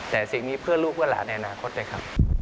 แต่สิ่งนี้เพื่อลูกเพื่อหลานในอนาคตด้วยครับ